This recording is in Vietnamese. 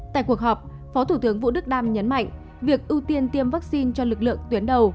tại cuộc họp phó thủ tướng vũ đức đam nhấn mạnh việc ưu tiên tiêm vaccine cho lực lượng tuyến đầu